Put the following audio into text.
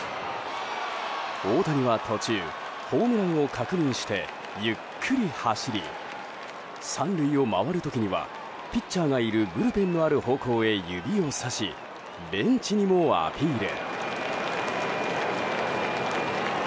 大谷は途中ホームランを確認してゆっくり走り３塁を回る時にはピッチャーがいるブルペンの方向に指をさしベンチにもアピール。